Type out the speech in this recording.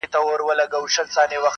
موږ په خټه او په اصل پاچاهان یو-